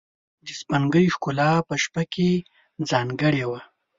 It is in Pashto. د سپوږمۍ ښکلا په شپه کې ځانګړې وه.